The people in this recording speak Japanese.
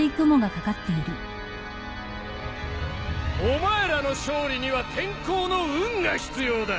お前らの勝利には天候の運が必要だ！